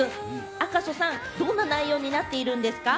赤楚さん、どんな内容になっているんですか？